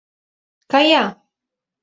Кая!